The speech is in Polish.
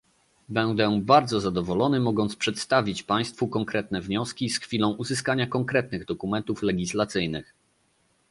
Będę bardzo zadowolony mogąc przedstawić państwu konkretne wnioski z chwilą uzyskania konkretnych dokumentów legislacyjnych